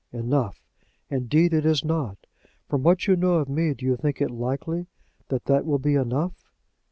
"Enough! Indeed it is not. From what you know of me do you think it likely that that will be enough?"